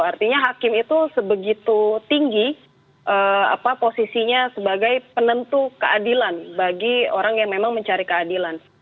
artinya hakim itu sebegitu tinggi posisinya sebagai penentu keadilan bagi orang yang memang mencari keadilan